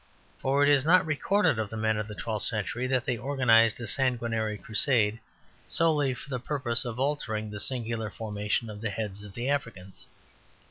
For it is not recorded of the men in the twelfth century that they organized a sanguinary crusade solely for the purpose of altering the singular formation of the heads of the Africans.